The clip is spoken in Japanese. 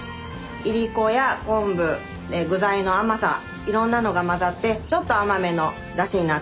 いりこや昆布具材の甘さいろんなのが混ざってちょっと甘めのだしになっています。